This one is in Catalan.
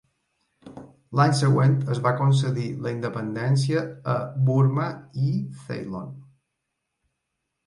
L'any següent es va concedir la independència a Burma i Ceylon.